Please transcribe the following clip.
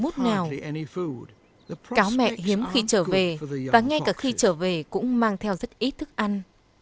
mẹo mẹ hiếm khi trở về và ngay cả khi trở về cũng mang theo rất ít thức ăn